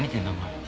お前。